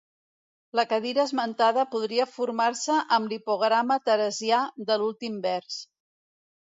La cadira esmentada podria formar-se amb l'hipograma teresià de l'últim vers.